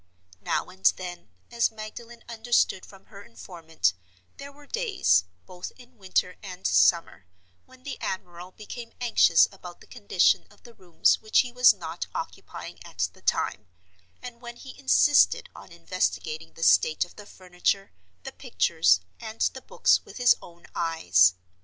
Now and then (as Magdalen understood from her informant) there were days, both in winter and summer, when the admiral became anxious about the condition of the rooms which he was not occupying at the time, and when he insisted on investigating the state of the furniture, the pictures, and the books with his own eyes.